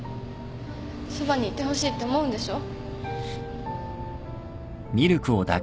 そばにいてほしいって思うんでしょ？